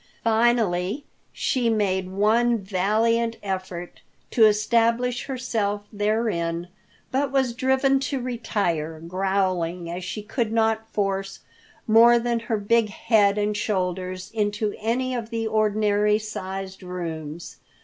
Finally she made one valiant effort to establish herself therein, but was driven to retire, growling, as she could not force more than her big head and shoulders into any of the ordinary sized rooms.